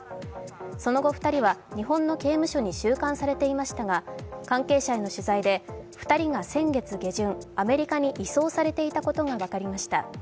その後２人は、日本の刑務所に収監されていましたが関係者への取材で、２人が先月下旬、アメリカに移送されていたことが分かりました。